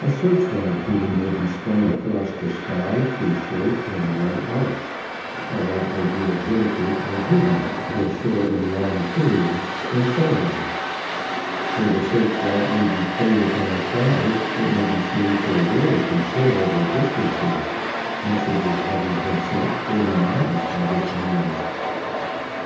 A search light beam may be swung across the sky through short and long arcs, a light may be exhibited and hidden for short and long periods, and so on. Where the search light may be played upon a cloud it may be seen for very considerable distances, messages having been sent forty miles by this means.